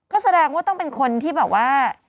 ก็แสดงว่าต้องเป็นคนที่แบบว่า